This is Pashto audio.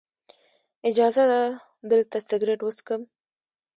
اجازه ده دلته سګرټ وڅکم.